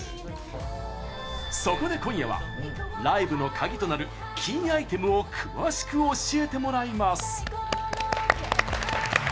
そこで今夜はライブの鍵となるキーアイテムを詳しく教えてもらいます。